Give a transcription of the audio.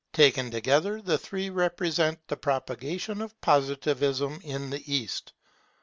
Taken together, the three represent the propagation of Positivism in the East.